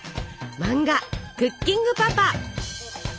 漫画「クッキングパパ」。